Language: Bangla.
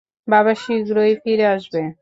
বাবা শীঘ্রই ফিরে আসবে।